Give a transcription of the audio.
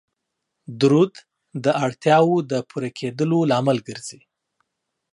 درود د اړتیاو د پوره کیدلو لامل ګرځي